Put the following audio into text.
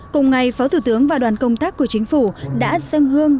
cùng ngày phó thủ tướng và đoàn công tác của chính phủ đã dâng hương